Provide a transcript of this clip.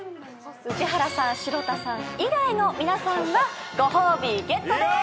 宇治原さん城田さん以外の皆さんはご褒美ゲットです！